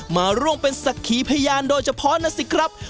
มาร่วมเป็นศักดิ์ขีพยานโดยเฉพาะนะสิครับ